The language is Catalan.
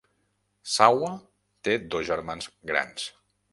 Sawa té dos germans grans.